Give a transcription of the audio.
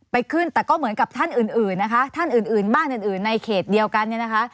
ไปขึ้นแต่ก็เหมือนกับท่านอื่นบ้านอื่นในเขตเดียวกัน